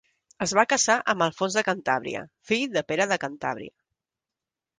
Es va casar amb Alfons de Cantàbria, fill de Pere de Cantàbria.